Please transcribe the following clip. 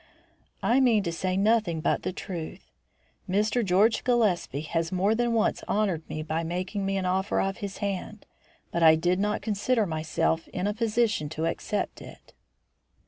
"I mean to say nothing but the truth. Mr. George Gillespie has more than once honoured me by making me an offer of his hand. But I did not consider myself in a position to accept it."